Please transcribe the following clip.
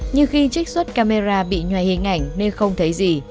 nhưng khi trích xuất camera bị nhòe hình ảnh nên không thấy gì